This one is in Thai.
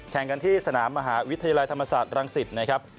แข่งกันที่สนามมหาวิทยาลัยธรรมศาสตร์รังสิตนะครับ